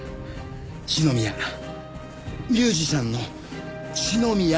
四宮ミュージシャンの四宮裕二。